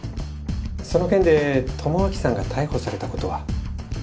その件で智明さんが逮捕されたことは？